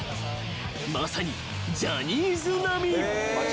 ［まさにジャニーズ並み］